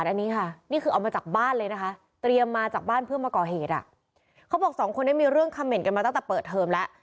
เราเห็นกันมาตั้งแต่เปิดเทอมแล้ว